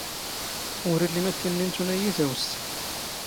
ⵓⵔ ⵉⵍⵍⵉ ⵎⴰⴷ ⴽ ⵉⵏⵏ ⵉⵏⵜⵓⵏ ⴰⴷ ⵉⵢⵉ ⵜⴰⵡⵙⵜ.